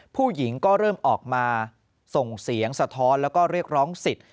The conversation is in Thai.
ผู้หญิงก็เริ่มออกมาส่งเสียงสะท้อนแล้วก็เรียกร้องสิทธิ์